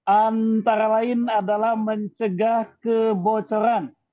antara lain adalah mencegah kebocoran